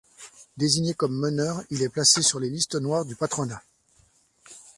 Désigné comme meneur, il est placé sur les listes noires du patronat.